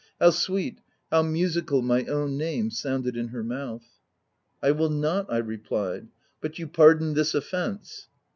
How sweet, how musical my own name sounded in her mouth !" I will not," I replied. " But you pardon this offence